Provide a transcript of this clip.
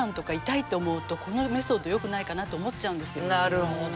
なるほど。